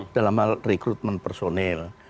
dalam hal rekrutmen personel